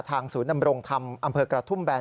ศูนย์นำรงธรรมอำเภอกระทุ่มแบน